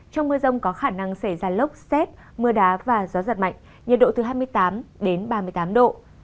trong mưa rông có khả năng xảy ra lốc xét mưa đá và gió giật mạnh nhiệt độ từ hai mươi tám đến ba mươi tám độ